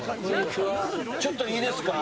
ちょっといいですか？